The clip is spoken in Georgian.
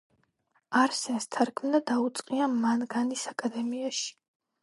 არსენს თარგმნა დაუწყია მანგანის აკადემიაში.